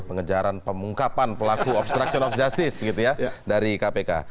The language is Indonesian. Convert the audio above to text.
pengejaran pengungkapan pelaku obstruction of justice begitu ya dari kpk